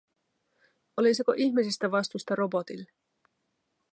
Olisiko ihmisistä vastusta robotille?